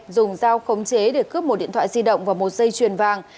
dùng dao khống chế để cướp một điện thoại di động và một dây chuyền vàng